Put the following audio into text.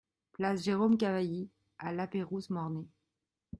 Place Jérôme Cavalli à Lapeyrouse-Mornay